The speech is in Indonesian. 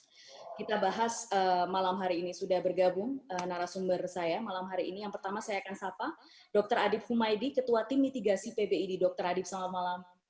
oke kita bahas malam hari ini sudah bergabung narasumber saya malam hari ini yang pertama saya akan sapa dr adib humaydi ketua tim mitigasi pbid dr adib selamat malam